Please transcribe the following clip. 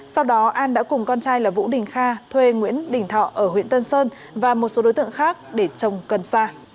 sau đó an đã cùng con trai là vũ đình kha thuê nguyễn đình thọ ở huyện tân sơn và một số đối tượng khác để trồng cần sa